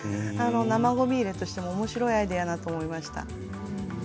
生ごみ入れとしておもしろいアイデアだなと思いました。